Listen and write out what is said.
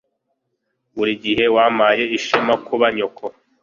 buri gihe wampaye ishema kuba nyoko